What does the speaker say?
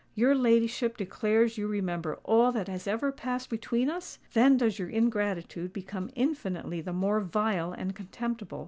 Your ladyship declares you remember all that has ever passed between us? Then does your ingratitude become infinitely the more vile and contemptible.